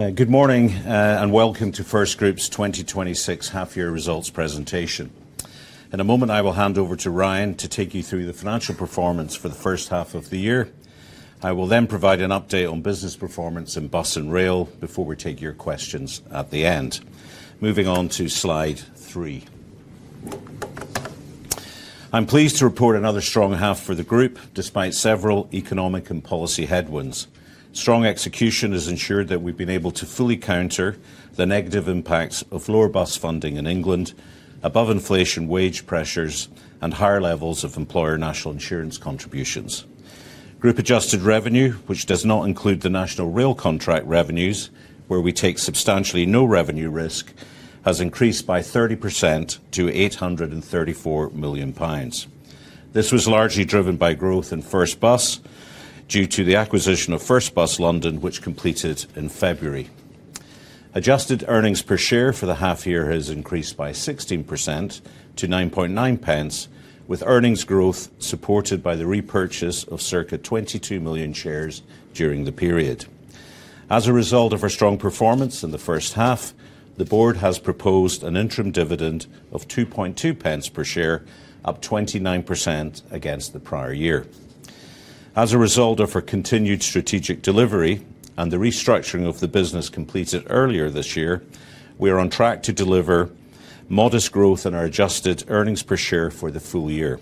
Good morning and welcome to FirstGroup's 2026 half-year results presentation. In a moment, I will hand over to Ryan to take you through the financial performance for the 1st half of the year. I will then provide an update on business performance in bus and rail before we take your questions at the end. Moving on to slide three. I'm pleased to report another strong half for the Group despite several economic and policy headwinds. Strong execution has ensured that we've been able to fully counter the negative impacts of floor bus funding in England, above-inflation wage pressures, and higher levels of employer national insurance contributions. Group-adjusted revenue, which does not include the national rail contract revenues, where we take substantially no revenue risk, has increased by 30% to 834 million pounds. This was largely driven by growth in FirstBus due to the acquisition of FirstBus London, which completed in February. Adjusted earnings per share for the half-year has increased by 16% -9.9, with earnings growth supported by the repurchase of circa 22 million shares during the period. As a result of our strong performance in the 1st half, the Board has proposed an interim dividend of 2.2 per share, up 29% against the prior year. As a result of our continued strategic delivery and the restructuring of the business completed earlier this year, we are on track to deliver modest growth in our adjusted earnings per share for the full year.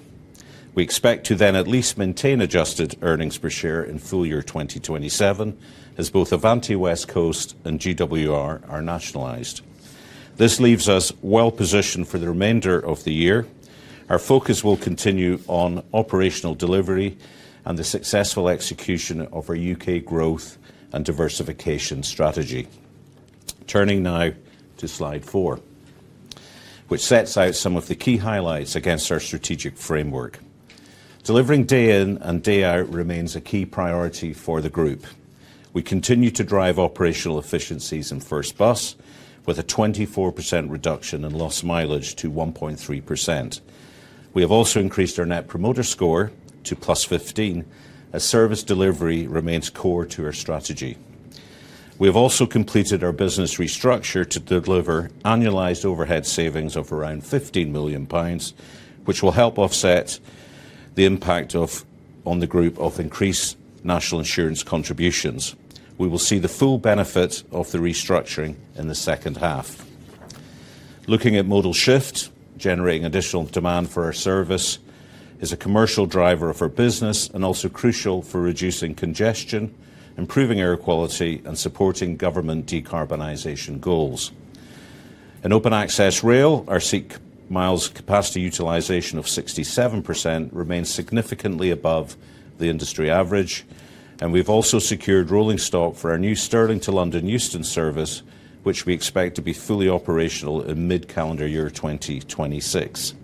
We expect to then at least maintain adjusted earnings per share in full year 2027, as both Avanti West Coast and GWR are nationalized. This leaves us well-positioned for the remainder of the year. Our focus will continue on operational delivery and the successful execution of our U.K. growth and diversification strategy. Turning now to slide four, which sets out some of the key highlights against our strategic framework. Delivering day in and day out remains a key priority for the Group. We continue to drive operational efficiencies in FirstBus, with a 24% reduction in lost mileage to 1.3%. We have also increased our net promoter score to +15, as service delivery remains core to our strategy. We have also completed our business restructure to deliver annualized overhead savings of around 15 million pounds, which will help offset the impact on the Group of increased national insurance contributions. We will see the full benefit of the restructuring in the 2nd half. Looking at modal shift, generating additional demand for our service is a commercial driver of our business and also crucial for reducing congestion, improving air quality, and supporting government decarbonisation goals. In open access rail, our seat miles capacity utilization of 67% remains significantly above the industry average, and we've also secured rolling stock for our new Stirling to London Euston service, which we expect to be fully operational in mid-calendar year 2026.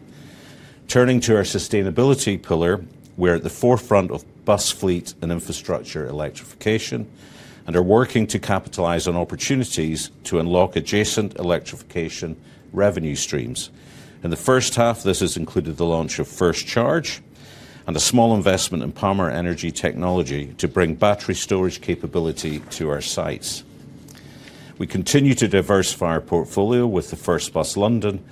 Turning to our sustainability pillar, we're at the forefront of bus fleet and infrastructure electrification and are working to capitalize on opportunities to unlock adjacent electrification revenue streams. In the first half, this has included the launch of FirstCharge and a small investment in Palmer Energy Technology to bring battery storage capability to our sites. We continue to diversify our portfolio with FirstBus London,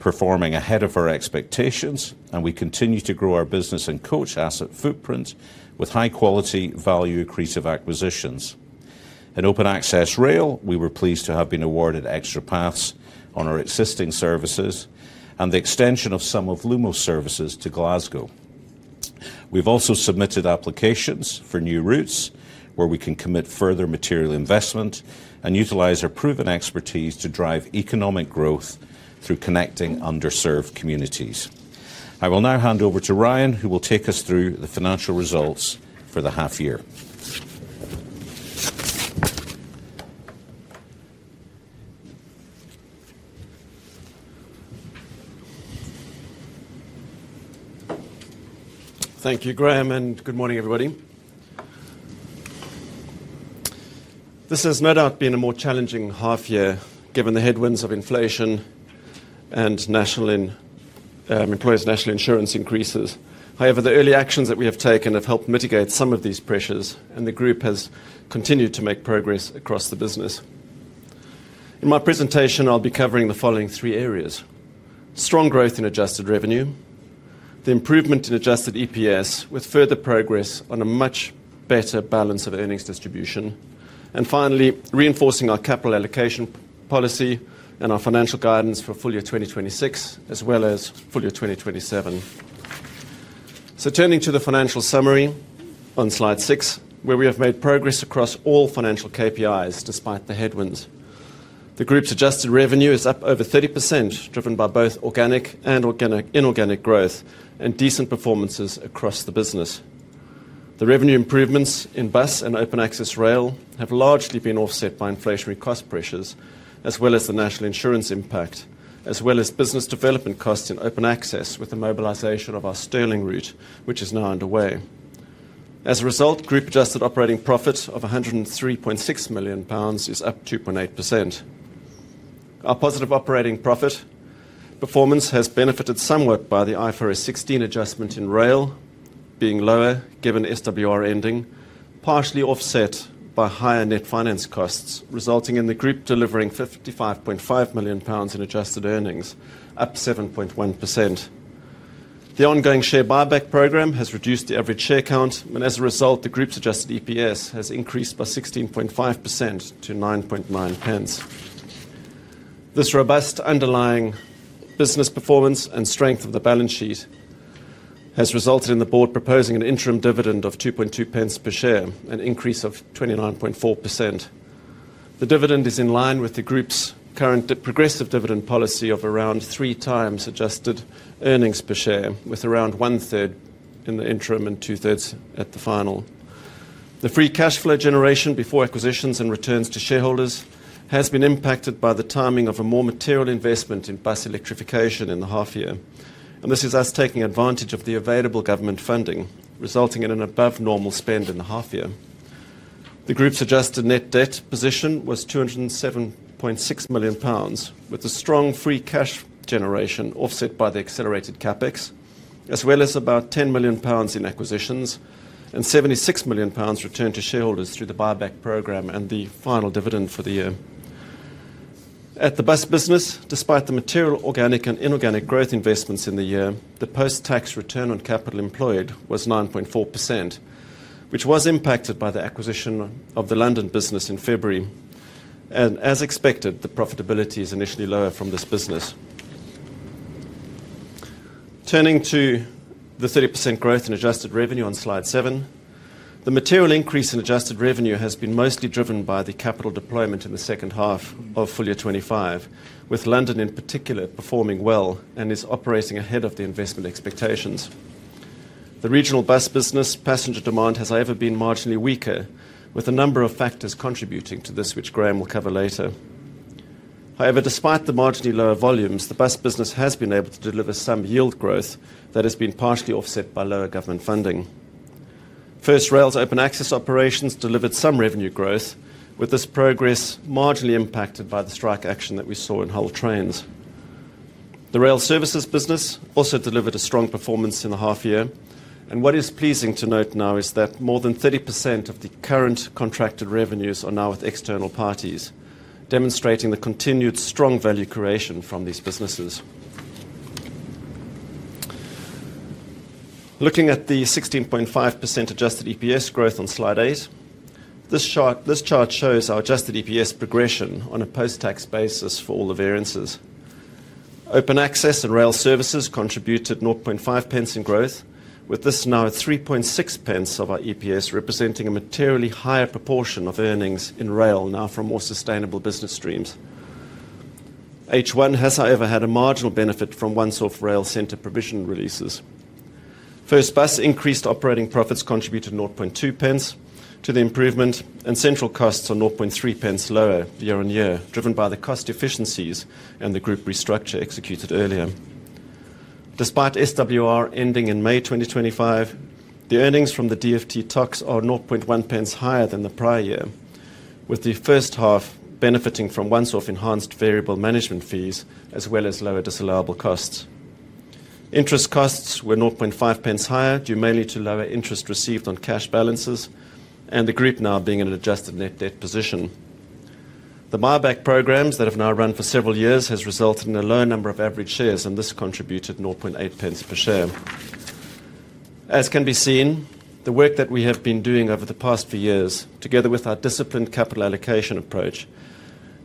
performing ahead of our expectations, and we continue to grow our business and coach asset footprint with high-quality value-accretive acquisitions. In open access rail, we were pleased to have been awarded extra paths on our existing services and the extension of some of Lumo's services to Glasgow. We've also submitted applications for new routes where we can commit further material investment and utilize our proven expertise to drive economic growth through connecting underserved communities. I will now hand over to Ryan, who will take us through the financial results for the half-year. Thank you, Graham, and good morning, everybody. This has no doubt been a more challenging half-year given the headwinds of inflation and employers' national insurance increases. However, the early actions that we have taken have helped mitigate some of these pressures, and the Group has continued to make progress across the business. In my presentation, I'll be covering the following three areas: strong growth in adjusted revenue, the improvement in adjusted EPS with further progress on a much better balance of earnings distribution, and finally, reinforcing our capital allocation policy and our financial guidance for full year 2026, as well as full year 2027. Turning to the financial summary on slide six, where we have made progress across all financial KPIs despite the headwinds. The Group's adjusted revenue is up over 30%, driven by both organic and inorganic growth and decent performances across the business. The revenue improvements in bus and open access rail have largely been offset by inflationary cost pressures, as well as the national insurance impact, as well as business development costs in open access with the mobilisation of our Stirling route, which is now underway. As a result, Group-adjusted operating profit of 103.6 million pounds is up 2.8%. Our positive operating profit performance has benefited somewhat by the IFRS 16 adjustment in rail being lower given SWR ending, partially offset by higher net finance costs, resulting in the Group delivering 55.5 million pounds in adjusted earnings, up 7.1%. The ongoing share buyback programme has reduced the average share count, and as a result, the Group's adjusted EPS has increased by 16.5% to 9.9. This robust underlying business performance and strength of the balance sheet has resulted in the Board proposing an interim dividend of 2.2 per share, an increase of 29.4%. The dividend is in line with the Group's current progressive dividend policy of around three times adjusted earnings per share, with around one 3rd in the interim and 2/3s at the final. The free cash flow generation before acquisitions and returns to shareholders has been impacted by the timing of a more material investment in bus electrification in the half-year, and this is us taking advantage of the available government funding, resulting in an above-normal spend in the half-year. The Group's adjusted net debt position was 207.6 million pounds, with a strong free cash generation offset by the accelerated CapEx, as well as about 10 million pounds in acquisitions and 76 million pounds returned to shareholders through the buyback programme and the final dividend for the year. At the bus business, despite the material organic and inorganic growth investments in the year, the post-tax return on capital employed was 9.4%, which was impacted by the acquisition of the London business in February. As expected, the profitability is initially lower from this business. Turning to the 30% growth in adjusted revenue on slide seven, the material increase in adjusted revenue has been mostly driven by the capital deployment in the 2nd half of full year 2025, with London in particular performing well and is operating ahead of the investment expectations. The regional bus business passenger demand has over been marginally weaker, with a number of factors contributing to this, which Graham will cover later. However, despite the marginally lower volumes, the bus business has been able to deliver some yield growth that has been partially offset by lower government funding. FirstRail's open access operations delivered some revenue growth, with this progress marginally impacted by the strike action that we saw in Hull Trains. The rail services business also delivered a strong performance in the half-year, and what is pleasing to note now is that more than 30% of the current contracted revenues are now with external parties, demonstrating the continued strong value creation from these businesses. Looking at the 16.5% adjusted EPS growth on slide eight, this chart shows our adjusted EPS progression on a post-tax basis for all the variances. Open access and rail services contributed 0.5 pence in growth, with this now at 3.6 pence of our EPS, representing a materially higher proportion of earnings in rail now from more sustainable business streams. H1 has, however, had a marginal benefit from one sort of rail center provision releases. FirstBus increased operating profits contributed 0.2 pence to the improvement, and central costs are 0.3 pence lower year on year, driven by the cost efficiencies and the Group restructure executed earlier. Despite SWR ending in May 2025, the earnings from the DfT TUX are 0.1 pence higher than the prior year, with the first half benefiting from one sort of enhanced variable management fees, as well as lower disallowable costs. Interest costs were 0.5 pence higher, due mainly to lower interest received on cash balances, and the Group now being in an adjusted net debt position. The buyback programmes that have now run for several years have resulted in a lower number of average shares, and this contributed 0.8 pence per share. As can be seen, the work that we have been doing over the past few years, together with our disciplined capital allocation approach,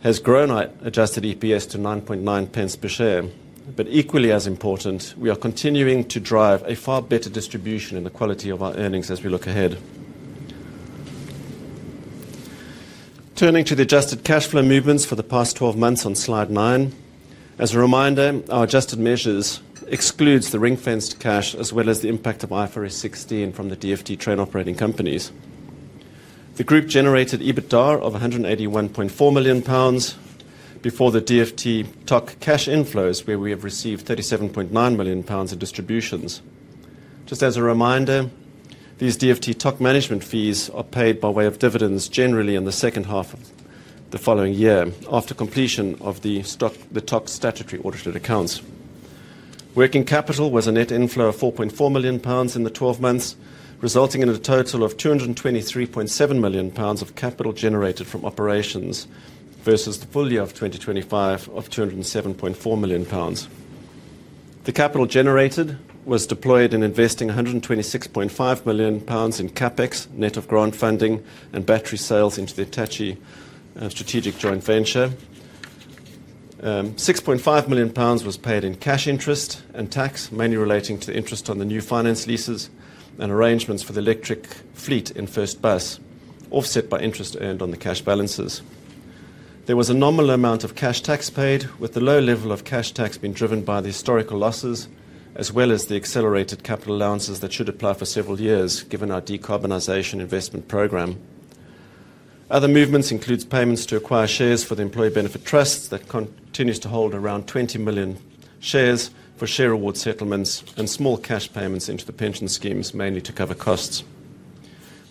has grown our adjusted EPS to 0.099 per share. Equally as important, we are continuing to drive a far better distribution in the quality of our earnings as we look ahead. Turning to the adjusted cash flow movements for the past 12 months on slide nine, as a reminder, our adjusted measures exclude the ring-fenced cash, as well as the impact of IFRS 16 from the DfT train operating companies. The Group generated EBITDA of 181.4 million pounds before the DfT TUX cash inflows, where we have received 37.9 million pounds in distributions. Just as a reminder, these DfT TUX management fees are paid by way of dividends generally in the 2nd half of the following year after completion of the TUX statutory audited accounts. Working capital was a net inflow of 4.4 million pounds in the 12 months, resulting in a total of 223.7 million pounds of capital generated from operations versus the full year of 2025 of 207.4 million pounds. The capital generated was deployed in investing 126.5 million pounds in CapEx, net of grant funding and battery sales into the Hitachi strategic joint venture. 6.5 million pounds was paid in cash interest and tax, mainly relating to the interest on the new finance leases and arrangements for the electric fleet in FirstBus, offset by interest earned on the cash balances. There was a nominal amount of cash tax paid, with the low level of cash tax being driven by the historical losses, as well as the accelerated capital allowances that should apply for several years, given our decarbonisation investment programme. Other movements include payments to acquire shares for the employee benefit trusts that continues to hold around 20 million shares for share award settlements and small cash payments into the pension schemes, mainly to cover costs.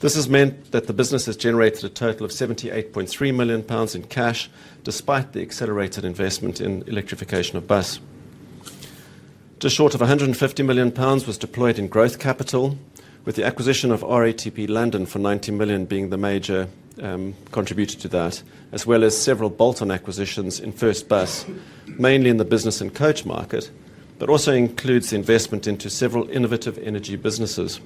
This has meant that the business has generated a total of 78.3 million pounds in cash, despite the accelerated investment in electrification of bus. To a short of 150 million pounds was deployed in growth capital, with the acquisition of RATP London for 90 million being the major contributor to that, as well as several bolt-on acquisitions in FirstBus, mainly in the business and coach market, but also includes investment into several innovative energy businesses,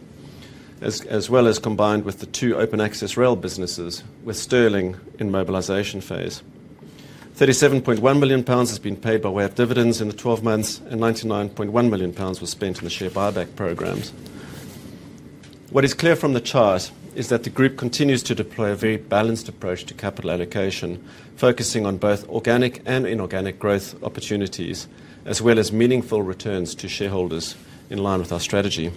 as well as combined with the two open access rail businesses with Stirling in mobilisation phase. 37.1 million pounds has been paid by way of dividends in the 12 months, and 99.1 million pounds was spent in the share buyback programmes. What is clear from the chart is that the Group continues to deploy a very balanced approach to capital allocation, focusing on both organic and inorganic growth opportunities, as well as meaningful returns to shareholders in line with our strategy.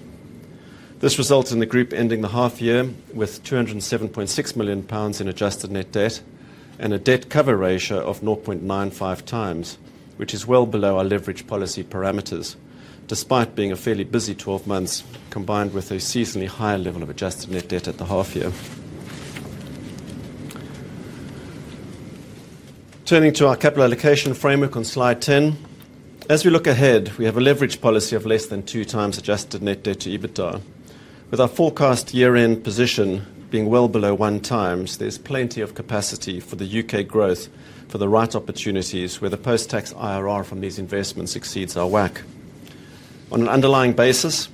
This results in the Group ending the half-year with 207.6 million pounds in adjusted net debt and a debt cover ratio of 0.95 times, which is well below our leverage policy parameters, despite being a fairly busy 12 months combined with a seasonally higher level of adjusted net debt at the half-year. Turning to our capital allocation framework on slide ten, as we look ahead, we have a leverage policy of less than two times adjusted net debt to EBITDA. With our forecast year-end position being well below one times, there's plenty of capacity for the U.K. growth for the right opportunities, where the post-tax IRR from these investments exceeds our WACC. On an underlying basis,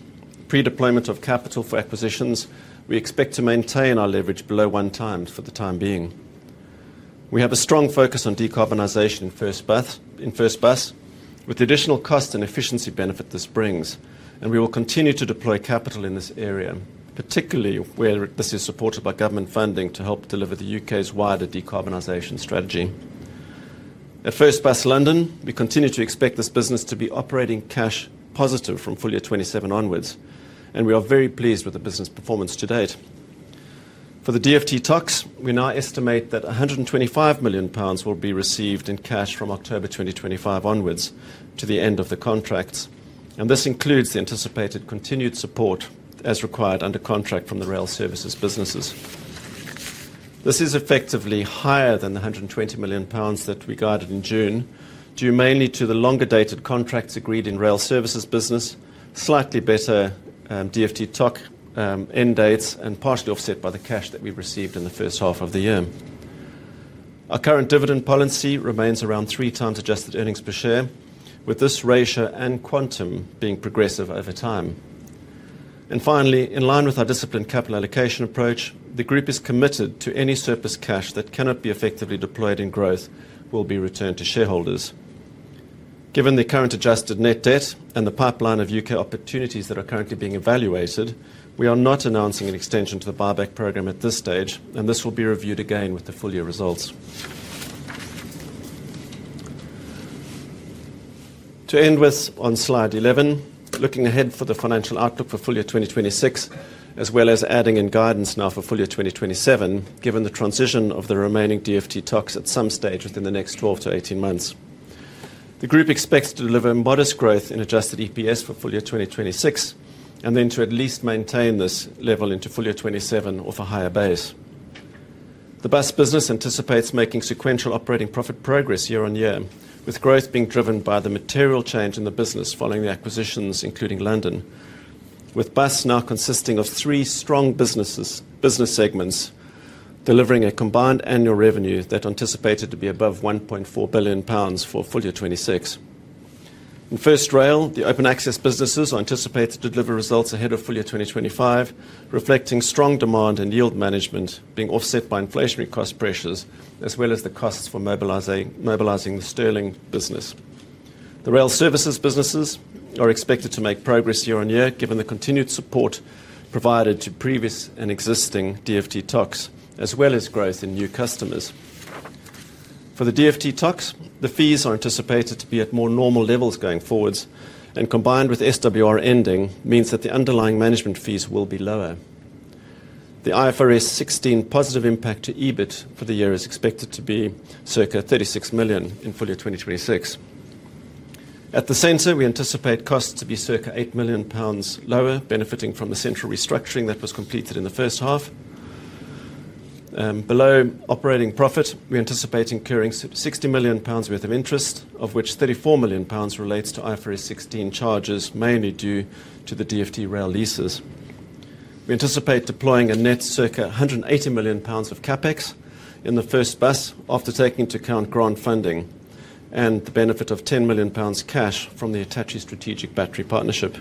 pre-deployment of capital for acquisitions, we expect to maintain our leverage below one times for the time being. We have a strong focus on decarbonization in FirstBus, with the additional cost and efficiency benefit this brings, and we will continue to deploy capital in this area, particularly where this is supported by government funding to help deliver the U.K.'s wider decarbonization strategy. At FirstBus London, we continue to expect this business to be operating cash positive from full year 2027 onwards, and we are very pleased with the business performance to date. For the DfT TUX, we now estimate that 125 million pounds will be received in cash from October 2025 onwards to the end of the contracts, and this includes the anticipated continued support as required under contract from the rail services businesses. This is effectively higher than the 120 million pounds that we guided in June, due mainly to the longer dated contracts agreed in rail services business, slightly better DfT TUX end dates, and partially offset by the cash that we've received in the first half of the year. Our current dividend policy remains around three times adjusted earnings per share, with this ratio and quantum being progressive over time. Finally, in line with our disciplined capital allocation approach, the Group is committed to any surplus cash that cannot be effectively deployed in growth will be returned to shareholders. Given the current adjusted net debt and the pipeline of U.K. opportunities that are currently being evaluated, we are not announcing an extension to the buyback program at this stage, and this will be reviewed again with the full year results. To end with on slide 11, looking ahead for the financial outlook for full year 2026, as well as adding in guidance now for full year 2027, given the transition of the remaining DfT TUX at some stage within the next 12-18 months. The Group expects to deliver modest growth in adjusted EPS for full year 2026, and then to at least maintain this level into full year 2027 off a higher base. The bus business anticipates making sequential operating profit progress year on year, with growth being driven by the material change in the business following the acquisitions, including London, with bus now consisting of three strong business segments delivering a combined annual revenue that is anticipated to be above 1.4 billion pounds for full year 2026. In FirstRail, the open access businesses are anticipated to deliver results ahead of full year 2025, reflecting strong demand and yield management being offset by inflationary cost pressures, as well as the costs for mobilizing the Stirling business. The rail services businesses are expected to make progress year on year, given the continued support provided to previous and existing DfT TUX, as well as growth in new customers. For the DfT TUX, the fees are anticipated to be at more normal levels going forwards, and combined with SWR ending means that the underlying management fees will be lower. The IFRS 16 positive impact to EBIT for the year is expected to be circa 36 million in full year 2026. At the center, we anticipate costs to be circa 8 million pounds lower, benefiting from the central restructuring that was completed in the first half. Below operating profit, we anticipate incurring 60 million pounds worth of interest, of which 34 million pounds relates to IFRS 16 charges, mainly due to the DfT rail leases. We anticipate deploying a net circa 180 million pounds of CapEx in FirstBus after taking into account grant funding and the benefit of 10 million pounds cash from the Hitachi strategic battery partnership.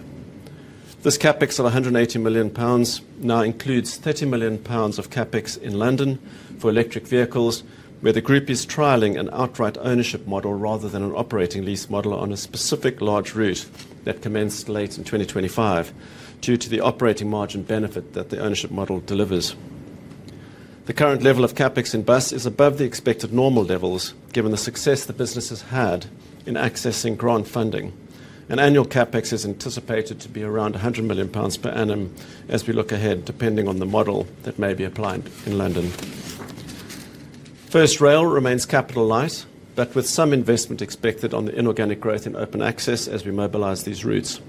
This CapEx of 180 million pounds now includes 30 million pounds of CapEx in London for electric vehicles, where the Group is trialling an outright ownership model rather than an operating lease model on a specific large route that commenced late in 2025, due to the operating margin benefit that the ownership model delivers. The current level of CapEx in bus is above the expected normal levels, given the success the business has had in accessing grant funding. An annual CapEx is anticipated to be around 100 million pounds per annum as we look ahead, depending on the model that may be applied in London. FirstRail remains capital light, but with some investment expected on the inorganic growth in open access as we mobilise these routes.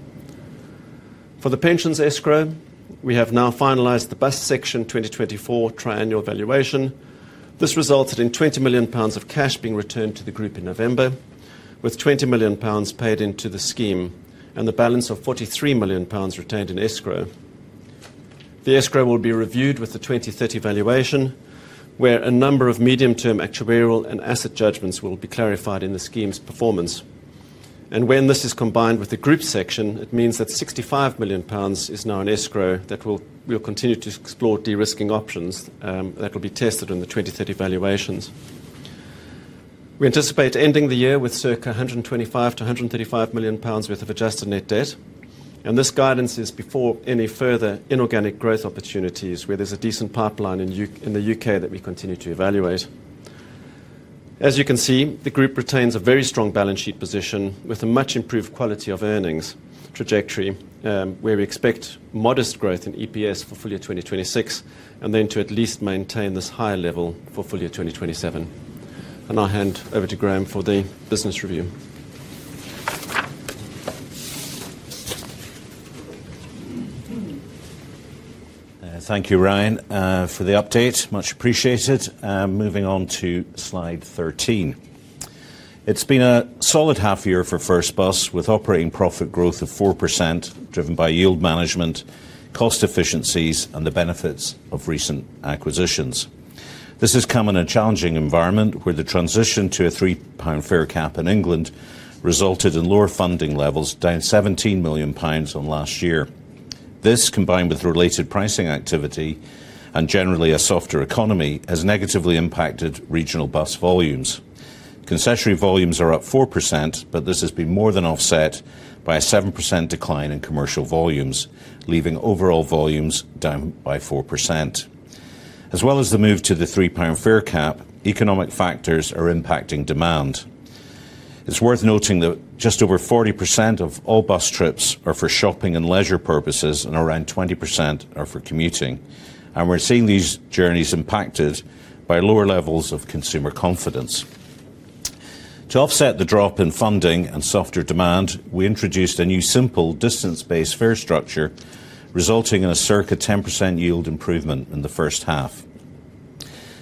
For the pensions escrow, we have now finalised the bus section 2024 tri-annual valuation. This resulted in 20 million pounds of cash being returned to the Group in November, with 20 million pounds paid into the scheme and the balance of 43 million pounds retained in escrow. The escrow will be reviewed with the 2030 valuation, where a number of medium-term actuarial and asset judgments will be clarified in the scheme's performance. When this is combined with the Group section, it means that 65 million pounds is now in escrow that we'll continue to explore de-risking options that will be tested in the 2030 valuations. We anticipate ending the year with circa 125-135 million pounds worth of adjusted net debt, and this guidance is before any further inorganic growth opportunities, where there's a decent pipeline in the U.K. that we continue to evaluate. As you can see, the Group retains a very strong balance sheet position with a much improved quality of earnings trajectory, where we expect modest growth in EPS for full year 2026, and then to at least maintain this higher level for full year 2027. I will hand over to Graham for the business review. Thank you, Ryan, for the update. Much appreciated. Moving on to slide 13. It has been a solid half year for FirstBus, with operating profit growth of 4% driven by yield management, cost efficiencies, and the benefits of recent acquisitions. This has come in a challenging environment where the transition to a 3 pound fare cap in England resulted in lower funding levels, down 17 million pounds on last year. This, combined with related pricing activity and generally a softer economy, has negatively impacted regional bus volumes. Concessionary volumes are up 4%, but this has been more than offset by a 7% decline in commercial volumes, leaving overall volumes down by 4%. As well as the move to the 3 pound fare cap, economic factors are impacting demand. It is worth noting that just over 40% of all bus trips are for shopping and leisure purposes, and around 20% are for commuting. We are seeing these journeys impacted by lower levels of consumer confidence. To offset the drop in funding and softer demand, we introduced a new simple distance-based fare structure, resulting in a circa 10% yield improvement in the first half.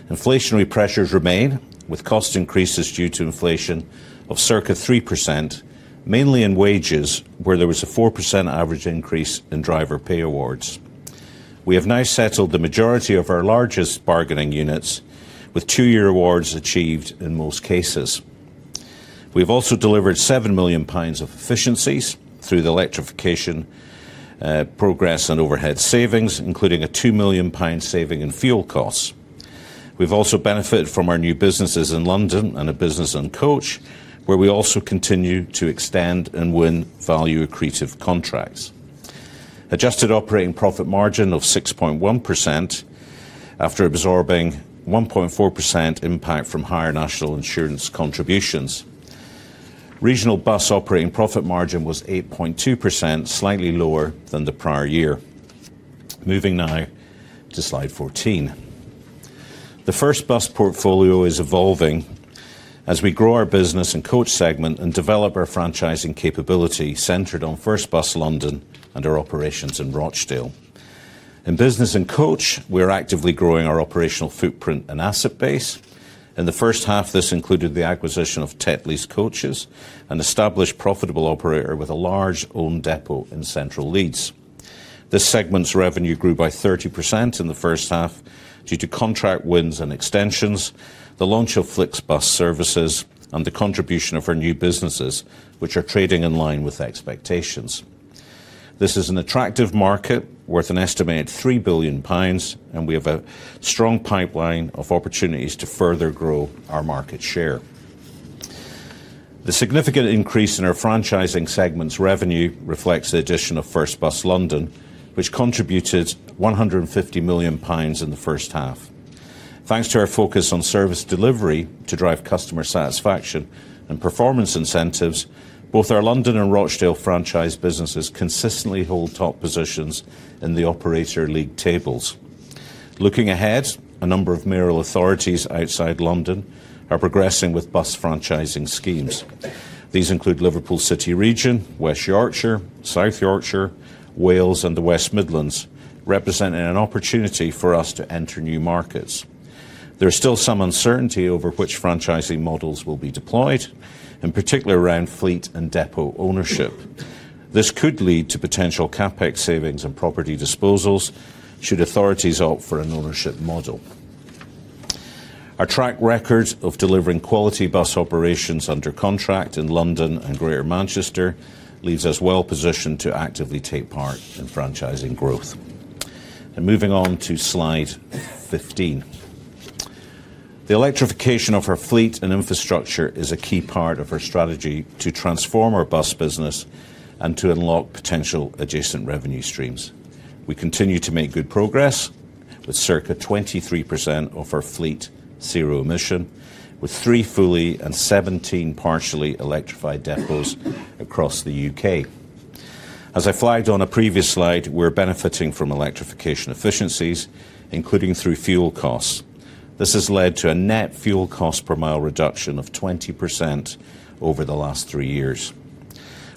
Inflationary pressures remain, with cost increases due to inflation of circa 3%, mainly in wages, where there was a 4% average increase in driver pay awards. We have now settled the majority of our largest bargaining units, with two-year awards achieved in most cases. We've also delivered 7 million pounds of efficiencies through the electrification progress and overhead savings, including a 2 million pound saving in fuel costs. We've also benefited from our new businesses in London and a business in Coach, where we also continue to extend and win value accretive contracts. Adjusted operating profit margin of 6.1% after absorbing 1.4% impact from higher national insurance contributions. Regional bus operating profit margin was 8.2%, slightly lower than the prior year. Moving now to slide 14. The FirstBus portfolio is evolving as we grow our business and coach segment and develop our franchising capability centred on FirstBus London and our operations in Rochdale. In business and coach, we're actively growing our operational footprint and asset base. In the first half, this included the acquisition of Tetlee's Coaches, an established profitable operator with a large owned depot in central Leeds. This segment's revenue grew by 30% in the first half due to contract wins and extensions, the launch of FlixBus services, and the contribution of our new businesses, which are trading in line with expectations. This is an attractive market worth an estimated 3 billion pounds, and we have a strong pipeline of opportunities to further grow our market share. The significant increase in our franchising segment's revenue reflects the addition of FirstBus London, which contributed 150 million pounds in the first half. Thanks to our focus on service delivery to drive customer satisfaction and performance incentives, both our London and Rochdale franchise businesses consistently hold top positions in the operator league tables. Looking ahead, a number of mayoral authorities outside London are progressing with bus franchising schemes. These include Liverpool City Region, West Yorkshire, South Yorkshire, Wales, and the West Midlands, representing an opportunity for us to enter new markets. There's still some uncertainty over which franchising models will be deployed, in particular around fleet and depot ownership. This could lead to potential CapEx savings and property disposals should authorities opt for an ownership model. Our track record of delivering quality bus operations under contract in London and Greater Manchester leaves us well positioned to actively take part in franchising growth. Moving on to slide 15. The electrification of our fleet and infrastructure is a key part of our strategy to transform our bus business and to unlock potential adjacent revenue streams. We continue to make good progress with circa 23% of our fleet zero emission, with three fully and 17 partially electrified depots across the U.K. As I flagged on a previous slide, we're benefiting from electrification efficiencies, including through fuel costs. This has led to a net fuel cost per mile reduction of 20% over the last three years.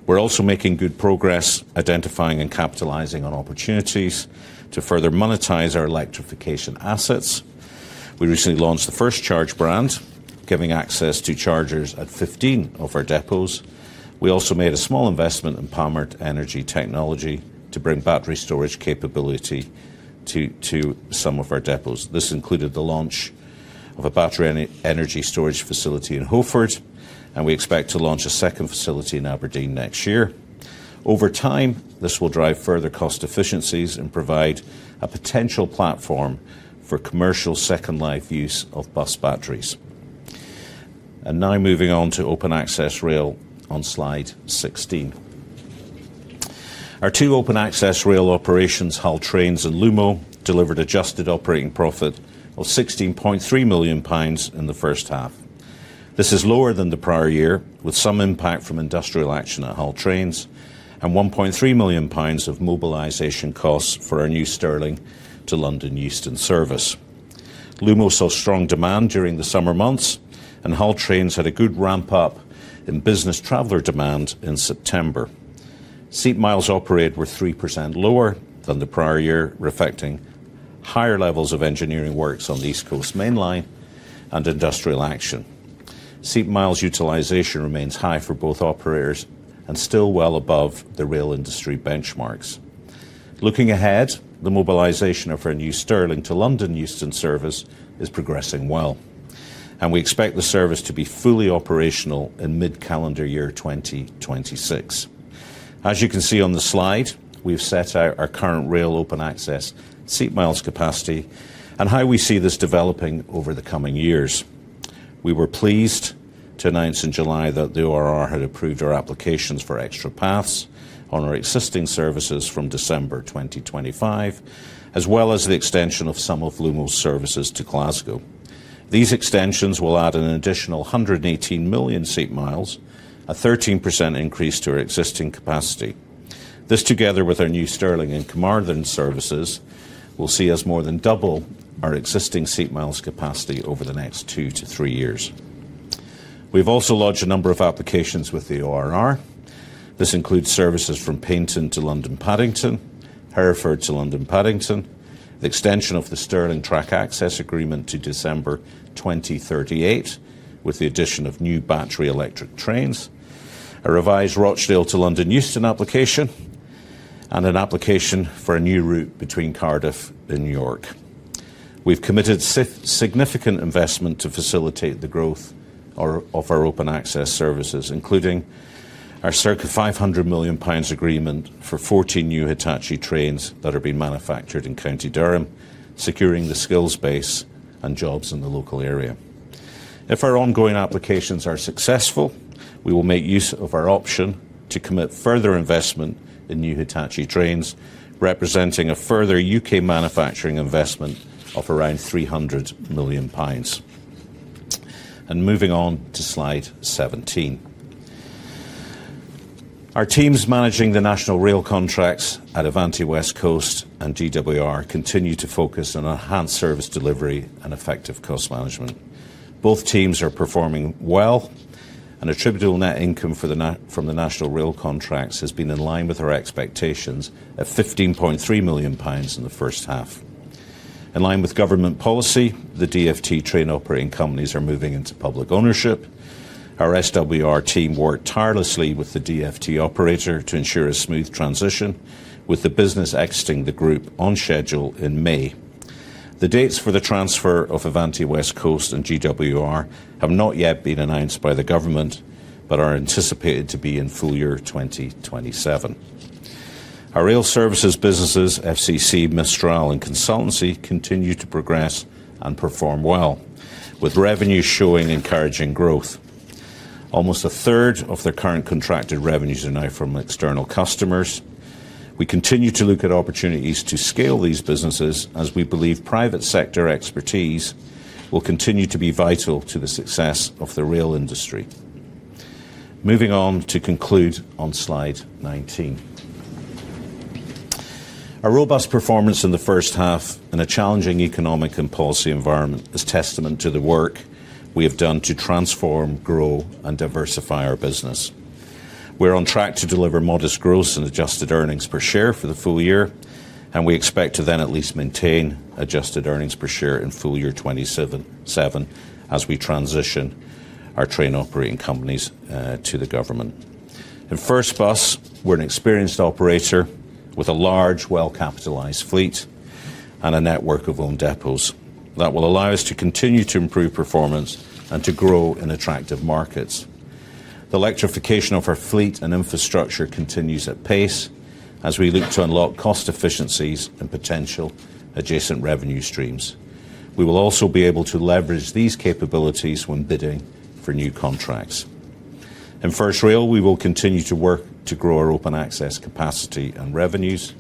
We're also making good progress identifying and capitalizing on opportunities to further monetize our electrification assets. We recently launched the FirstCharge brand, giving access to chargers at 15 of our depots. We also made a small investment in Palmer Energy Technology to bring battery storage capability to some of our depots. This included the launch of a battery energy storage facility in Hoeford, and we expect to launch a 2nd facility in Aberdeen next year. Over time, this will drive further cost efficiencies and provide a potential platform for commercial 2nd life use of bus batteries. Now moving on to open access rail on slide 16. Our two open access rail operations, Hull Trains and Lumo, delivered adjusted operating profit of 16.3 million pounds in the first half. This is lower than the prior year, with some impact from industrial action at Hull Trains and 1.3 million pounds of mobilisation costs for our new Stirling to London Euston service. Lumo saw strong demand during the summer months, and Hull Trains had a good ramp up in business traveller demand in September. Seat miles operated were 3% lower than the prior year, reflecting higher levels of engineering works on the East Coast Mainline and industrial action. Seat miles utilisation remains high for both operators and still well above the rail industry benchmarks. Looking ahead, the mobilisation of our new Stirling to London Euston service is progressing well, and we expect the service to be fully operational in mid-calendar year 2026. As you can see on the slide, we have set out our current rail open access seat miles capacity and how we see this developing over the coming years. We were pleased to announce in July that the ORR had approved our applications for extra paths on our existing services from December 2025, as well as the extension of some of Lumo's services to Glasgow. These extensions will add an additional 118 million seat miles, a 13% increase to our existing capacity. This, together with our new Stirling and Camargen services, will see us more than double our existing seat miles capacity over the next two to three years. We've also lodged a number of applications with the ORR. This includes services from Paignton to London Paddington, Hereford to London Paddington, the extension of the Stirling track access agreement to December 2038 with the addition of new battery electric trains, a revised Rochdale to London Euston application, and an application for a new route between Cardiff and York. We've committed significant investment to facilitate the growth of our open access services, including our circa 500 million pounds agreement for 14 new Hitachi trains that are being manufactured in County Durham, securing the skills base and jobs in the local area. If our ongoing applications are successful, we will make use of our option to commit further investment in new Hitachi trains, representing a further U.K. manufacturing investment of around 300 million pounds. Moving on to slide 17. Our teams managing the national rail contracts at Avanti West Coast and GWR continue to focus on enhanced service delivery and effective cost management. Both teams are performing well, and attributable net income from the national rail contracts has been in line with our expectations of 15.3 million pounds in the first half. In line with government policy, the DfT train operating companies are moving into public ownership. Our SWR team worked tirelessly with the DfT operator to ensure a smooth transition, with the business exiting the Group on schedule in May. The dates for the transfer of Avanti West Coast and GWR have not yet been announced by the government, but are anticipated to be in full year 2027. Our rail services businesses, FCC, Mistral, and Consultancy, continue to progress and perform well, with revenues showing encouraging growth. Almost a third of their current contracted revenues are now from external customers. We continue to look at opportunities to scale these businesses, as we believe private sector expertise will continue to be vital to the success of the rail industry. Moving on to conclude on slide 19. Our robust performance in the first half in a challenging economic and policy environment is testament to the work we have done to transform, grow, and diversify our business. We're on track to deliver modest growth in adjusted earnings per share for the full year, and we expect to then at least maintain adjusted earnings per share in full year 2027 as we transition our train operating companies to the government. In FirstBus, we're an experienced operator with a large, well-capitalized fleet and a network of owned depots that will allow us to continue to improve performance and to grow in attractive markets. The electrification of our fleet and infrastructure continues at pace as we look to unlock cost efficiencies and potential adjacent revenue streams. We will also be able to leverage these capabilities when bidding for new contracts. In FirstRail, we will continue to work to grow our open access capacity and revenues,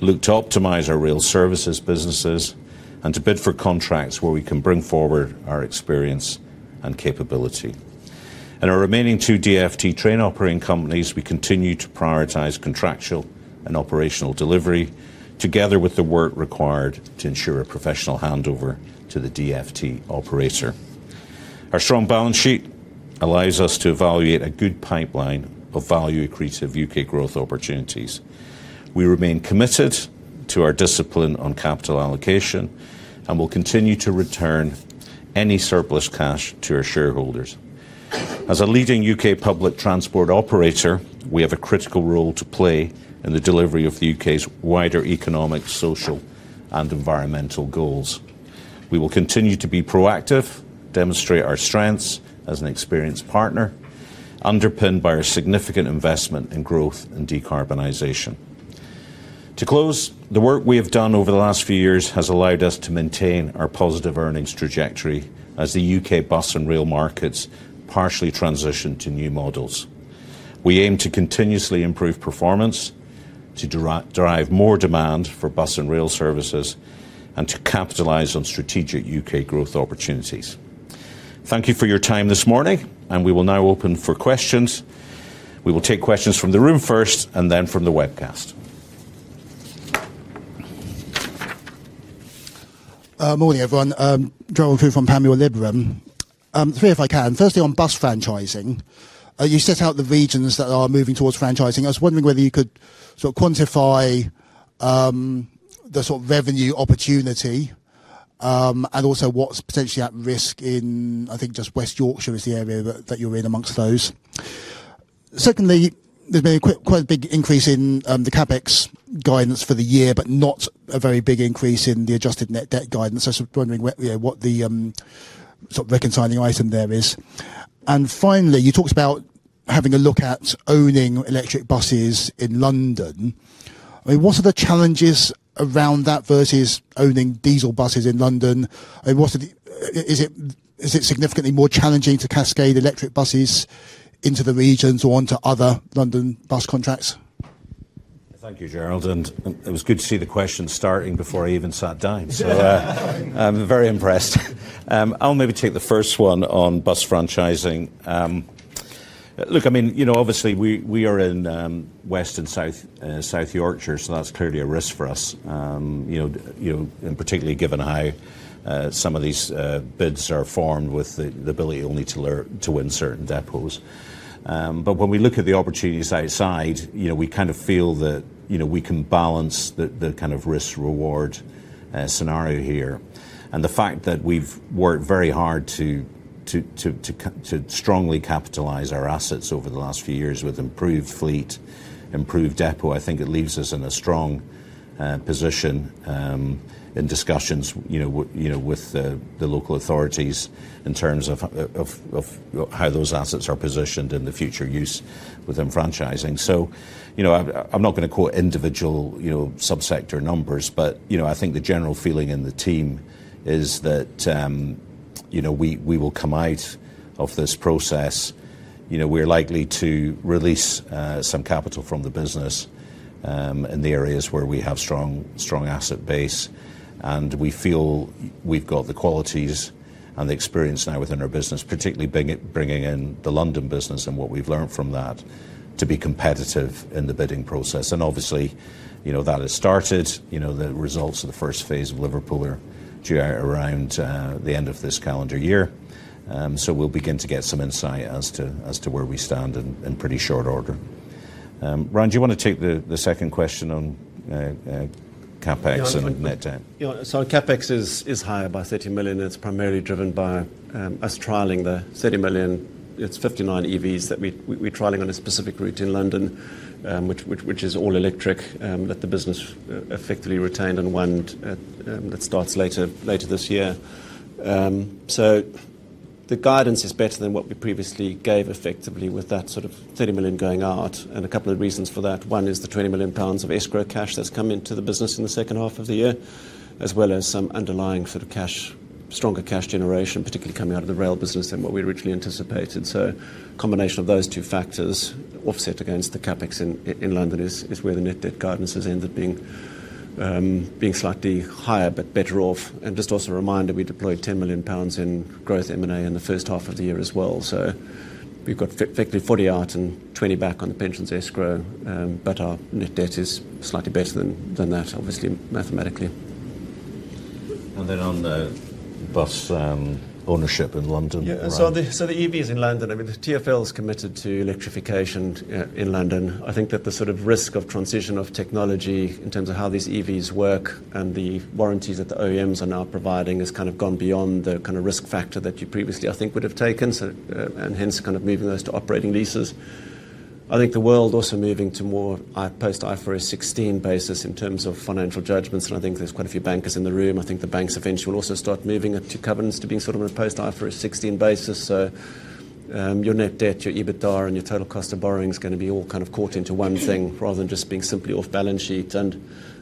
look to optimize our rail services businesses, and to bid for contracts where we can bring forward our experience and capability. In our remaining two DfT train operating companies, we continue to prioritize contractual and operational delivery, together with the work required to ensure a professional handover to the DfT operator. Our strong balance sheet allows us to evaluate a good pipeline of value accretive U.K. growth opportunities. We remain committed to our discipline on capital allocation and will continue to return any surplus cash to our shareholders. As a leading U.K. public transport operator, we have a critical role to play in the delivery of the U.K.'s wider economic, social, and environmental goals. We will continue to be proactive, demonstrate our strengths as an experienced partner, underpinned by our significant investment in growth and decarbonization. To close, the work we have done over the last few years has allowed us to maintain our positive earnings trajectory as the U.K. bus and rail markets partially transition to new models. We aim to continuously improve performance, to derive more demand for bus and rail services, and to capitalize on strategic U.K. growth opportunities. Thank you for your time this morning, and we will now open for questions. We will take questions from the room first and then from the webcast. Morning, everyone. Joel Coo from Palmyra Libram. Three if I can. Firstly, on bus franchising, you set out the regions that are moving towards franchising. I was wondering whether you could sort of quantify the sort of revenue opportunity and also what's potentially at risk in, I think, just West Yorkshire is the area that you're in amongst those. secondly, there's been quite a big increase in the CapEx guidance for the year, but not a very big increase in the adjusted net debt guidance. I was wondering what the sort of reconciling item there is. Finally, you talked about having a look at owning electric buses in London. I mean, what are the challenges around that versus owning diesel buses in London? Is it significantly more challenging to cascade electric buses into the regions or onto other London bus contracts? Thank you, Gerald. It was good to see the question starting before I even sat down, so I'm very impressed. I'll maybe take the first one on bus franchising. Look, I mean, obviously, we are in West and South Yorkshire, so that's clearly a risk for us, particularly given how some of these bids are formed with the ability only to win certain depots. When we look at the opportunities outside, we kind of feel that we can balance the kind of risk-reward scenario here. The fact that we've worked very hard to strongly capitalize our assets over the last few years with improved fleet, improved depot, I think it leaves us in a strong position in discussions with the local authorities in terms of how those assets are positioned in the future use within franchising. I'm not going to quote individual subsector numbers, but I think the general feeling in the team is that we will come out of this process. We're likely to release some capital from the business in the areas where we have a strong asset base, and we feel we've got the qualities and the experience now within our business, particularly bringing in the London business and what we've learned from that, to be competitive in the bidding process. Obviously, that has started. The results of the first phase of Liverpool are due out around the end of this calendar year, so we'll begin to get some insight as to where we stand in pretty short order. Ryan, do you want to take the 2nd question on CapEx and net debt? CapEx is higher by 30 million. It's primarily driven by us trialling the 30 million. It's 59 EVs that we're trialling on a specific route in London, which is all electric, that the business effectively retained and won that starts later this year. The guidance is better than what we previously gave, effectively, with that sort of 30 million going out. A couple of reasons for that. One is the 20 million pounds of escrow cash that's come into the business in the 2nd half of the year, as well as some underlying sort of stronger cash generation, particularly coming out of the rail business than what we originally anticipated. A combination of those two factors offset against the CapEx in London is where the net debt guidance has ended up being slightly higher, but better off. Just also a reminder, we deployed 10 million pounds in growth M&A in the first half of the year as well. We've got effectively 40 out and 20 back on the pensions escrow, but our net debt is slightly better than that, obviously, mathematically. Then on the bus ownership in London. The EVs in London, I mean, the TfL is committed to electrification in London. I think that the sort of risk of transition of technology in terms of how these EVs work and the warranties that the OEMs are now providing has kind of gone beyond the kind of risk factor that you previously, I think, would have taken, and hence kind of moving those to operating leases. I think the world also moving to more post-IFRS 16 basis in terms of financial judgments, and I think there's quite a few bankers in the room. I think the banks eventually will also start moving into covenants to being sort of on a post-IFRS 16 basis. Your net debt, your EBITDA, and your total cost of borrowing is going to be all kind of caught into one thing rather than just being simply off balance sheet. A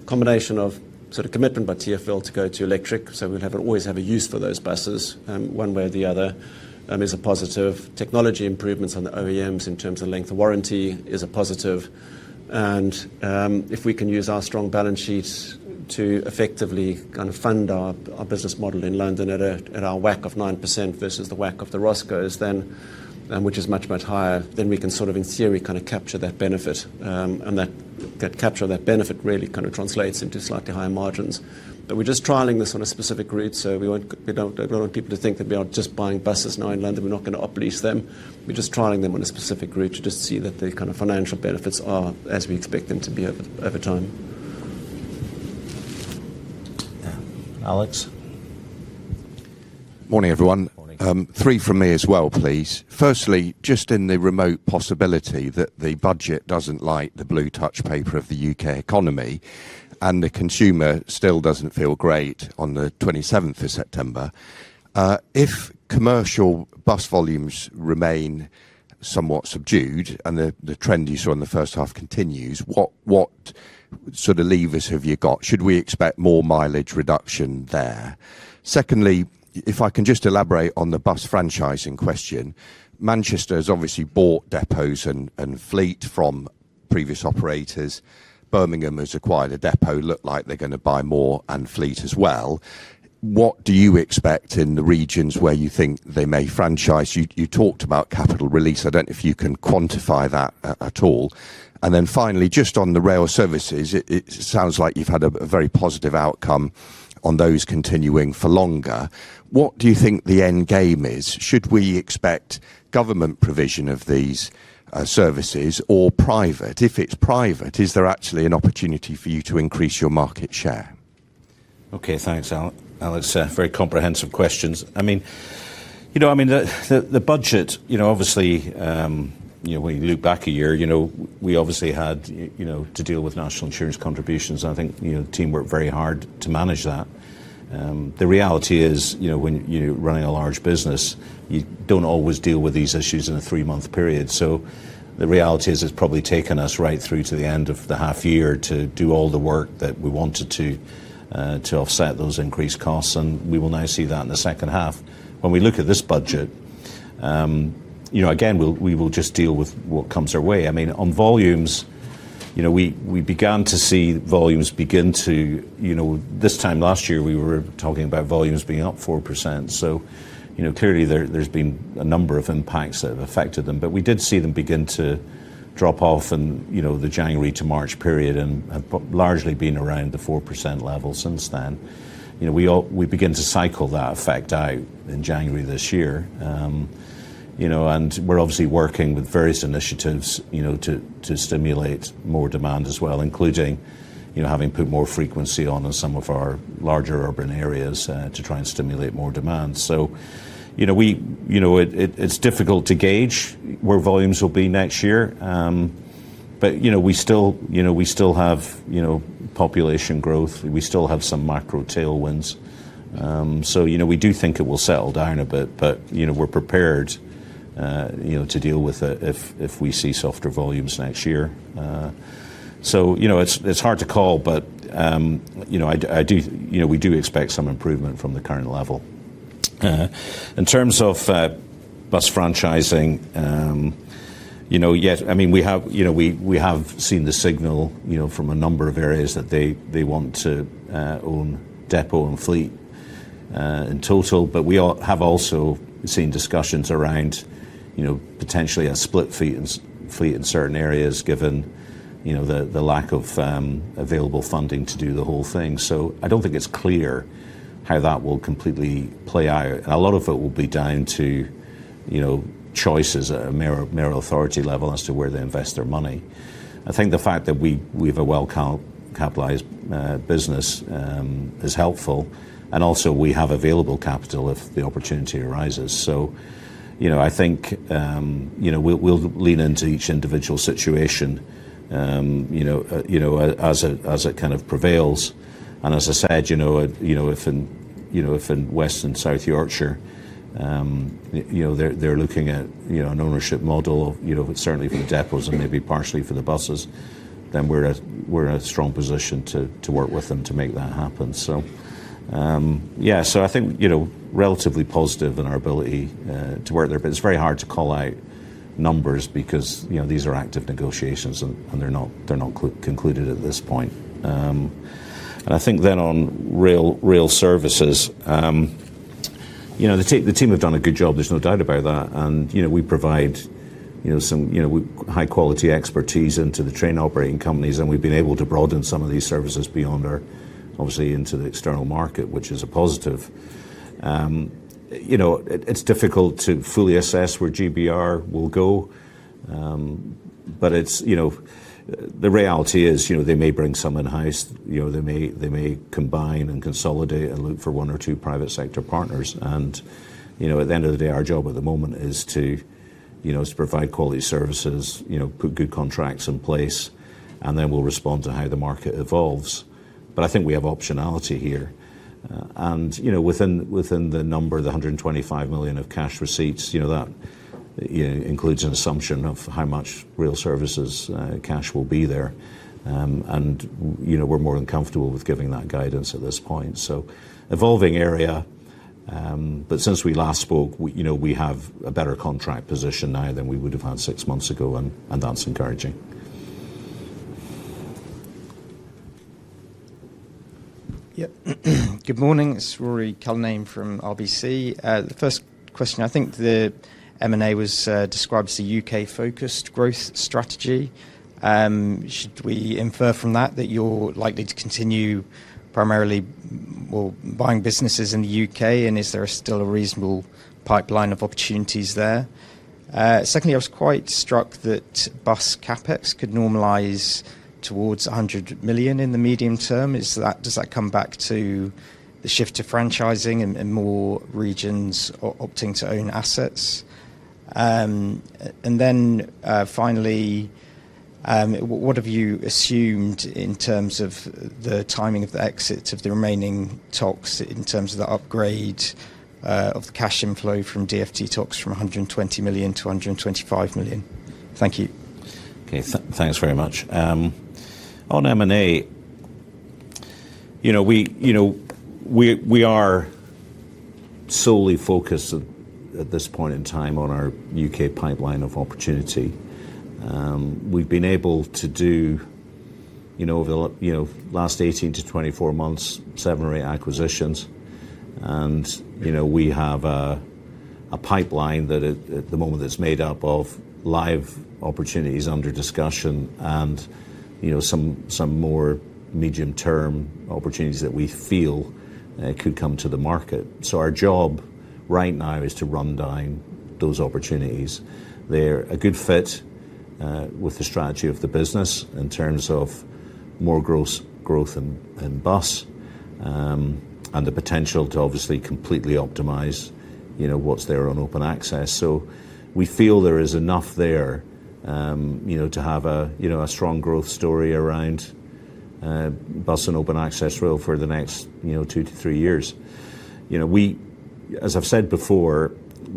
combination of sort of commitment by TfL to go to electric, so we'll always have a use for those buses one way or the other, is a positive. Technology improvements on the OEMs in terms of length of warranty is a positive. If we can use our strong balance sheet to effectively kind of fund our business model in London at our WACC of 9% versus the WACC of the Roscoes, which is much, much higher, we can sort of, in theory, kind of capture that benefit. That capture of that benefit really kind of translates into slightly higher margins. We are just trialling this on a specific route, so we do not want people to think that we are just buying buses now in London. We are not going to uplease them. We're just trialling them on a specific route to just see that the kind of financial benefits are as we expect them to be over time. Yeah. Alex. Morning, everyone. Three from me as well, please. Firstly, just in the remote possibility that the budget does not light the blue touch paper of the U.K. economy and the consumer still does not feel great on the 27th of September, if commercial bus volumes remain somewhat subdued and the trend you saw in the first half continues, what sort of levers have you got? Should we expect more mileage reduction there? secondly, if I can just elaborate on the bus franchising question, Manchester has obviously bought depots and fleet from previous operators. Birmingham has acquired a depot. Look like they are going to buy more and fleet as well. What do you expect in the regions where you think they may franchise? You talked about capital release. I do not know if you can quantify that at all. Finally, just on the rail services, it sounds like you have had a very positive outcome on those continuing for longer. What do you think the end game is? Should we expect government provision of these services or private? If it is private, is there actually an opportunity for you to increase your market share? Okay. Thanks, Alex. Very comprehensive questions. I mean, the budget, obviously, when you look back a year, we obviously had to deal with national insurance contributions. I think the team worked very hard to manage that. The reality is, when you are running a large business, you do not always deal with these issues in a three-month period. The reality is it's probably taken us right through to the end of the half year to do all the work that we wanted to offset those increased costs, and we will now see that in the 2nd half. When we look at this budget, again, we will just deal with what comes our way. I mean, on volumes, we began to see volumes begin to, this time last year, we were talking about volumes being up 4%. Clearly, there's been a number of impacts that have affected them, but we did see them begin to drop off in the January to March period and have largely been around the 4% level since then. We began to cycle that effect out in January this year. We are obviously working with various initiatives to stimulate more demand as well, including having put more frequency on some of our larger urban areas to try and stimulate more demand. It is difficult to gauge where volumes will be next year, but we still have population growth. We still have some macro tailwinds. We do think it will settle down a bit, but we are prepared to deal with it if we see softer volumes next year. It is hard to call, but I do expect some improvement from the current level. In terms of bus franchising, yes, I mean, we have seen the signal from a number of areas that they want to own depot and fleet in total, but we have also seen discussions around potentially a split fleet in certain areas given the lack of available funding to do the whole thing. I do not think it is clear how that will completely play out. A lot of it will be down to choices at a mayoral authority level as to where they invest their money. I think the fact that we have a well-capitalized business is helpful, and also we have available capital if the opportunity arises. I think we will lean into each individual situation as it kind of prevails. As I said, if in West and South Yorkshire they are looking at an ownership model, certainly for the depots and maybe partially for the buses, then we are in a strong position to work with them to make that happen. I think relatively positive in our ability to work there, but it is very hard to call out numbers because these are active negotiations and they are not concluded at this point. I think then on rail services, the team have done a good job. There is no doubt about that. We provide some high-quality expertise into the train operating companies, and we have been able to broaden some of these services beyond our, obviously, into the external market, which is a positive. It is difficult to fully assess where GBR will go, but the reality is they may bring some in-house. They may combine and consolidate and look for one or two private sector partners. At the end of the day, our job at the moment is to provide quality services, put good contracts in place, and then we will respond to how the market evolves. I think we have optionality here. Within the number, the 125 million of cash receipts, that includes an assumption of how much rail services cash will be there. We're more than comfortable with giving that guidance at this point. Evolving area, but since we last spoke, we have a better contract position now than we would have had six months ago, and that's encouraging. Yep. Good morning. It's Rory Calnane from RBC. The first question, I think the M&A was described as a U.K.-focused growth strategy. Should we infer from that that you're likely to continue primarily buying businesses in the U.K., and is there still a reasonable pipeline of opportunities there? secondly, I was quite struck that bus CapEx could normalize towards 100 million in the medium term. Does that come back to the shift to franchising and more regions opting to own assets? Finally, what have you assumed in terms of the timing of the exit of the remaining talks in terms of the upgrade of the cash inflow from DfT talks from 120 million to 125 million? Thank you. Okay. Thanks very much. On M&A, we are solely focused at this point in time on our U.K. pipeline of opportunity. We have been able to do, over the last 18 to 24 months, seven or eight acquisitions, and we have a pipeline that at the moment is made up of live opportunities under discussion and some more medium-term opportunities that we feel could come to the market. Our job right now is to rundown those opportunities. They are a good fit with the strategy of the business in terms of more gross growth in bus and the potential to obviously completely optimize what is there on open access. We feel there is enough there to have a strong growth story around bus and open access rail for the next two to three years. As I have said before,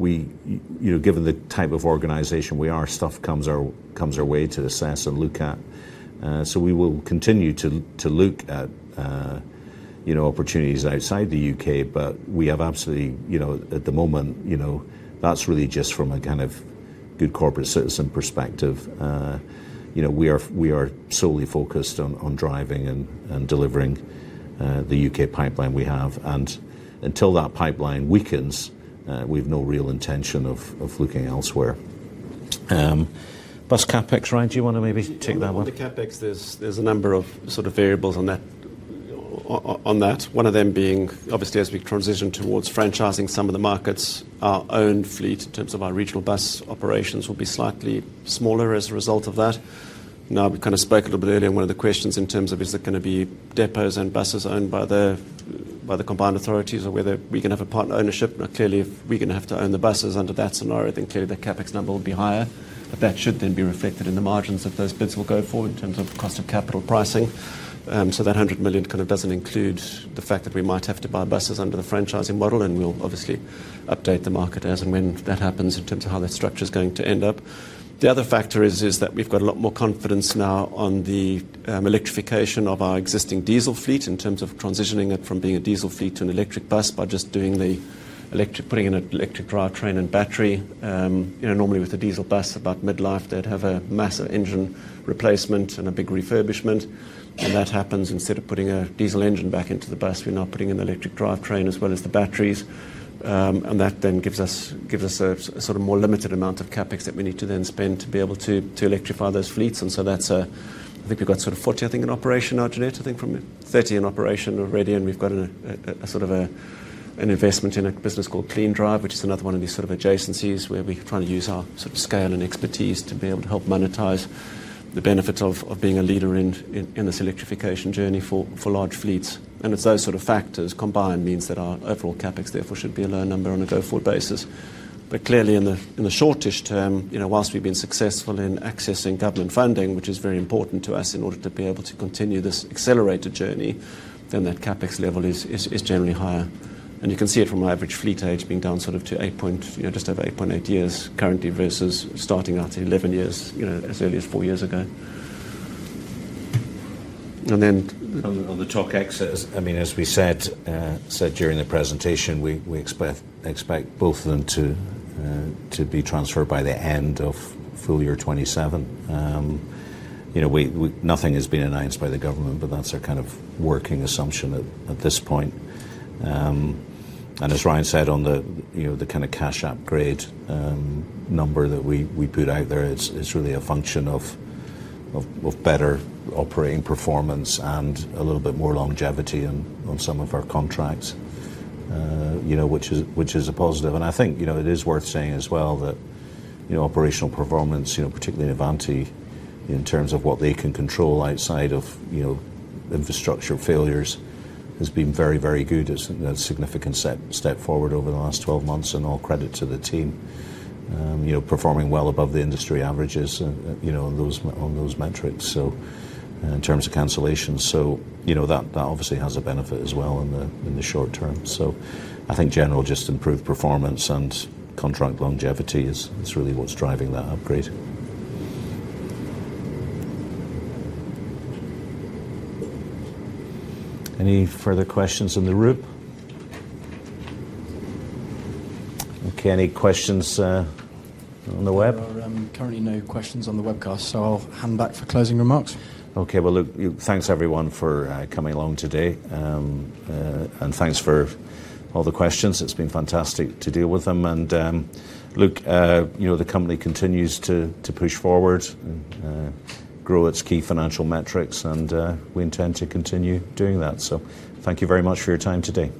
given the type of organization we are, stuff comes our way to assess and look at. We will continue to look at opportunities outside the U.K., but we have absolutely, at the moment, that is really just from a kind of good corporate citizen perspective. We are solely focused on driving and delivering the U.K. pipeline we have. Until that pipeline weakens, we have no real intention of looking elsewhere. Bus CapEx, Ryan, do you want to maybe take that one? On the CapEx, there is a number of sort of variables on that. One of them being, obviously, as we transition towards franchising, some of the markets, our owned fleet in terms of our regional bus operations will be slightly smaller as a result of that. Now, we kind of spoke a little bit earlier on one of the questions in terms of, is it going to be depots and buses owned by the combined authorities or whether we're going to have a partner ownership? Now, clearly, if we're going to have to own the buses under that scenario, then clearly the CapEx number will be higher. That should then be reflected in the margins that those bids will go for in terms of cost of capital pricing. That 100 million kind of does not include the fact that we might have to buy buses under the franchising model, and we will obviously update the market as and when that happens in terms of how that structure is going to end up. The other factor is that we have a lot more confidence now on the electrification of our existing diesel fleet in terms of transitioning it from being a diesel fleet to an electric bus by just putting in an electric drivetrain and battery. Normally, with a diesel bus, about mid-life, they would have a massive engine replacement and a big refurbishment. That happens instead of putting a diesel engine back into the bus, we are now putting in the electric drivetrain as well as the batteries. That then gives us a sort of more limited amount of CapEx that we need to then spend to be able to electrify those fleets. I think we've got sort of 40, I think, in operation now today, I think from 30 in operation already. We've got a sort of an investment in a business called CleanDrive, which is another one of these sort of adjacencies where we're trying to use our sort of scale and expertise to be able to help monetize the benefits of being a leader in this electrification journey for large fleets. Those sort of factors combined means that our overall CapEx, therefore, should be a low number on a go-forward basis. Clearly, in the shortest term, whilst we've been successful in accessing government funding, which is very important to us in order to be able to continue this accelerated journey, that CapEx level is generally higher. You can see it from our average fleet age being down to just over 8.8 years currently versus starting out at 11 years as early as four years ago. On the talk exits, I mean, as we said during the presentation, we expect both of them to be transferred by the end of full year 2027. Nothing has been announced by the government, but that's our kind of working assumption at this point. As Ryan said, on the kind of cash upgrade number that we put out there, it is really a function of better operating performance and a little bit more longevity on some of our contracts, which is a positive. I think it is worth saying as well that operational performance, particularly in Avanti, in terms of what they can control outside of infrastructure failures, has been very, very good. It is a significant step forward over the last 12 months, and all credit to the team, performing well above the industry averages on those metrics, in terms of cancellations. That obviously has a benefit as well in the short term. I think general just improved performance and contract longevity is really what is driving that upgrade. Any further questions in the room? Okay. Any questions on the web? Currently, no questions on the webcast, so I'll hand back for closing remarks. Okay. Thanks everyone for coming along today, and thanks for all the questions. It's been fantastic to deal with them. The company continues to push forward, grow its key financial metrics, and we intend to continue doing that. Thank you very much for your time today.